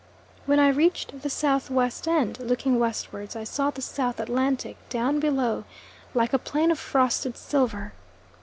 When I reached the S.W. end, looking westwards I saw the South Atlantic down below, like a plain of frosted silver.